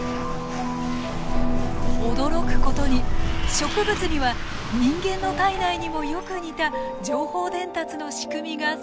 驚くことに植物には人間の体内にもよく似た情報伝達の仕組みが存在していたのです。